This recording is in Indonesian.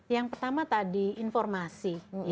yang pertama tadi informasi